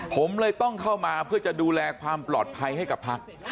ผมเลยต้องเข้ามาเพื่อจะดูแลความปลอดภัยให้กับพัก